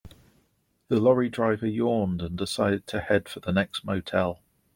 The lorry driver yawned and decided to head for the next motel.